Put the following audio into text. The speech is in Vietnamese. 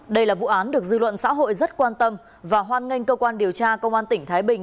đây là vụ án được dư luận xã hội rất quan tâm và hoan nghênh cơ quan điều tra công an tỉnh thái bình